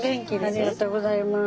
ありがとうございます。